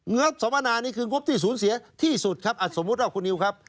บสมนานี่คืองบที่สูญเสียที่สุดครับสมมุติว่าคุณนิวครับ